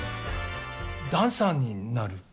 ダンサーになる？